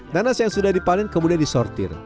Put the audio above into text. nanas yang sudah dipanen kemudian disortir